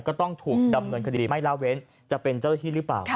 ก็ต้องถูกดำเนินคดีไม่ละเว้นจะเป็นเจ้าหน้าที่หรือเปล่า